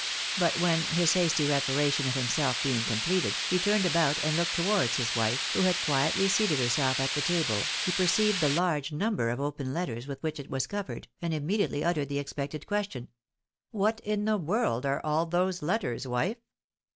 But when, his hasty reparation of himself being completed, he turned about and looked towards his wife, who had quietly seated herself at the table, he perceived the large number of open letters with which it was covered, and im mediately uttered the expected question —" What in the world are all those letters, wife